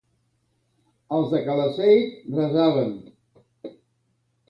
Els de Calaceit resaven.